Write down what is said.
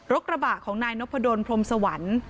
รถกระบะของนนทพลมสวรรค์